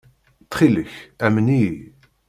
Ttxil-k, amen-iyi.